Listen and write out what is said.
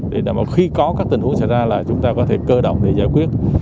để khi có các tình huống xảy ra là chúng ta có thể cơ động để giải quyết